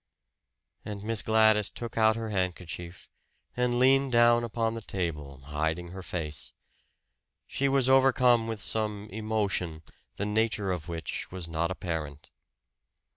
And Miss Gladys took out her handkerchief, and leaned down upon the table, hiding her face. She was overcome with some emotion, the nature of which was not apparent.